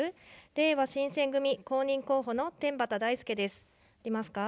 れいわ新選組公認候補の天畠大輔です。いけますか。